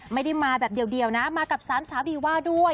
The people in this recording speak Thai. ไม่ได้มาแบบเดียวนะมากับสามสาวดีว่าด้วย